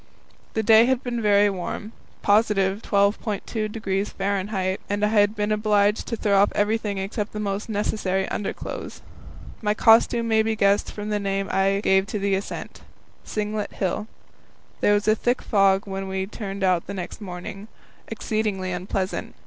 The day had been very warm, +12.2° F., and I had been obliged to throw off everything except the most necessary underclothes. My costume may be guessed from the name I gave to the ascent Singlet Hill. There was a thick fog when we turned out next morning, exceedingly unpleasant.